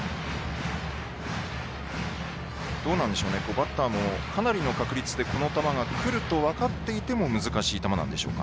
バッターもかなりの確率でこの球が来ると分かっていても難しい球なんですか。